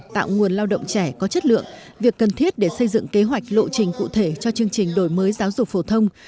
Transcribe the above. tạo nguồn lao động trẻ có chất lượng việc cần thiết để xây dựng kế hoạch lộ trình cụ thể cho chương trình đổi mới giáo dục phổ thông